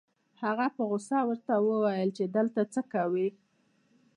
هغه په غصه ورته وويل چې دلته څه کوې؟